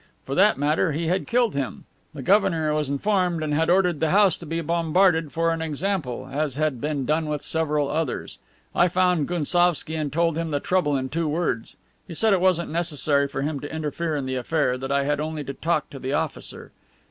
For that matter, he had killed him. The governor was informed and had ordered the house to be bombarded, for an example, as had been done with several others. I found Gounsovski and told him the trouble in two words. He said it wasn't necessary for him to interfere in the affair, that I had only to talk to the officer.